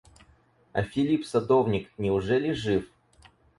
А Филипп садовник, неужели жив?